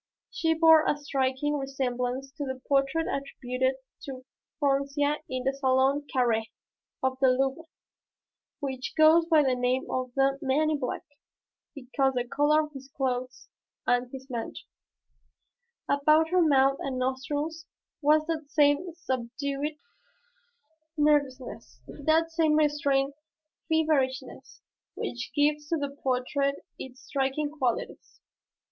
She bore a striking resemblance to the portrait attributed to Froncia in the Salon Carré of the Louvre which goes by the name of the "Man in Black," because the color of his clothes and his mantle. About her mouth and nostrils was that same subdued nervousness, that same restrained feverishness which gives to the portrait its striking qualities.